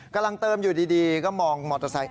กำลังเติมอยู่ดีก็มองมอเตอร์ไซค์